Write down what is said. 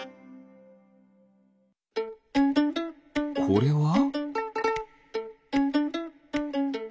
これは？